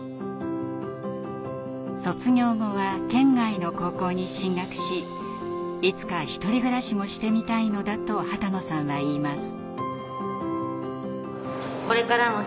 卒業後は県外の高校に進学しいつか１人暮らしもしてみたいのだと波多野さんは言います。